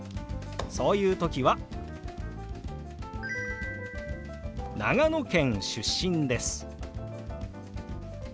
そういう時は「長野県出身です」